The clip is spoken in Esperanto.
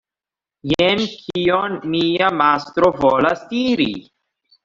Jen kion mia mastro volas diri.